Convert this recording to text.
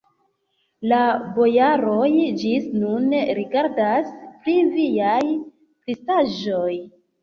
La bojaroj ĝis nun ridas pri viaj spritaĵoj.